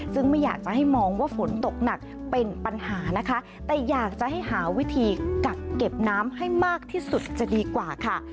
ซึ่งไม่อยากจะให้มองว่าฝนตกหนักเป็นปัญหานะคะแต่อยากจะให้หาวิธีกักเก็บน้ำให้มากที่สุดจะดีกว่าค่ะ